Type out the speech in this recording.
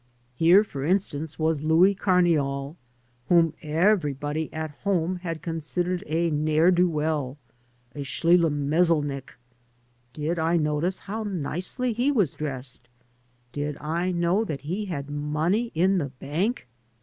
Here, for instance, was Louis ICamiol, whom everybody at home had considered a ne'er do well — a. schlim mezalnik. Did I notice how nicely he was dressed? Did I know that he had money in the bank?